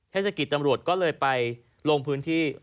เทศกิจตำรวจก็เลยไปลงพื้นที่